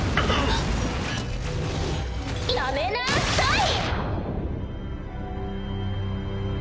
やめなさい！